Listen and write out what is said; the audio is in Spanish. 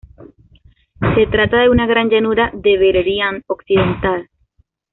Se trata de una gran llanura de Beleriand Occidental.